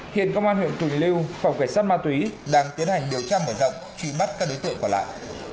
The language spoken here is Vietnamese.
hiện công an huyện quỳnh lưu phòng cảnh sát ma túy đang tiến hành điều tra mở rộng truy bắt các đối tượng còn lại